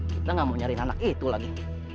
kita gak mau nyari anak itu lagi